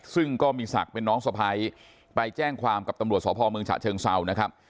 ซึ่งก็มีศักดิ์เป็นน้องสะพ้ายไปแจ้งความกับตำรวจสพเมืองฉะเชิงเซานะครับ